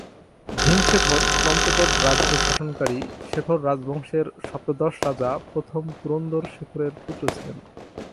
ভীম শেখর পঞ্চকোট রাজ্য শাসনকারী শেখর রাজবংশের সপ্তদশ রাজা প্রথম পুরন্দর শেখরের পুত্র ছিলেন।